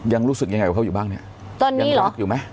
ยังรู้สึกยังไงกับเขาอยู่บ้างเนี่ยยังรักอยู่ไหม